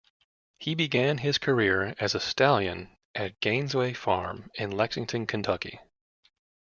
He began his career as a stallion at Gainesway Farm in Lexington, Kentucky.